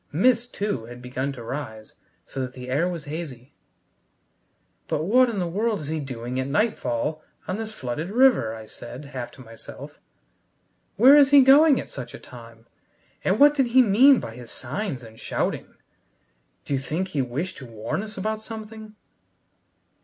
Mist, too, had begun to rise, so that the air was hazy. "But what in the world is he doing at nightfall on this flooded river?" I said, half to myself. "Where is he going at such a time, and what did he mean by his signs and shouting? D'you think he wished to warn us about something?"